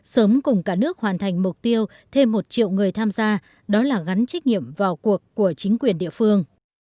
sớm cùng cả nước hoàn thành mục tiêu thêm một triệu người tham gia đó là gắn trách nhiệm vào cuộc của chính quyền địa phương